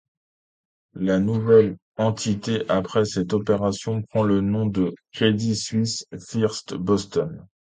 La nouvelle entité après cette opération, prend le nom de Credit Suisse First Boston.